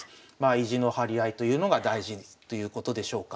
意地の張り合いというのが大事ということでしょうか。